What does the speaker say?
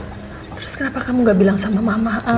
terus kenapa kamu gak bilang sama mama